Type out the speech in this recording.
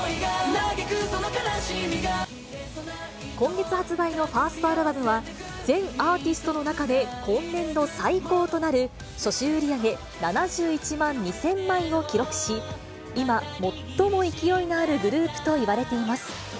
今月発売のファーストアルバムは、全アーティストの中で今年度最高となる、初週売り上げ７１万２０００枚を記録し、今、最も勢いのあるグループといわれています。